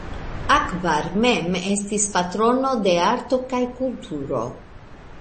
Akbar mem estis patrono de arto kaj kulturo.